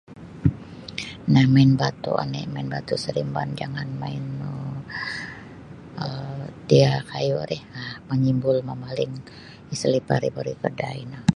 Nah main batu oni main batu seremban jangan main nu tio kayu rih um manyimbul mamaling salipar e barigod um ino.